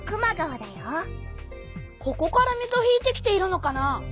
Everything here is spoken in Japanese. ここから水を引いてきているのかな？